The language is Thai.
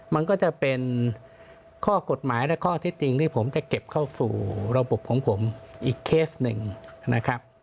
มันก็จะเป็นข้อกฎหมายและข้อที่จริงที่ผมจะเก็บเข้าสู่ระบบของผมอีกเคสหนึ่งนะครับ